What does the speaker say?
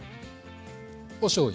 おしょうゆ。